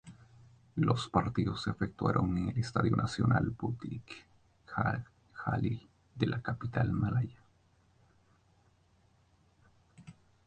Los partidos se efectuaron en el Estadio Nacional Bukit Jalil de la capital malaya.